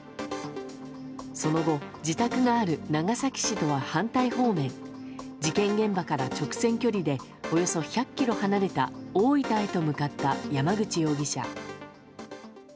その後、自宅がある長崎市とは反対方面事件現場から直線距離でおよそ１００ｋｍ離れた大分へと向かった、山口容疑者。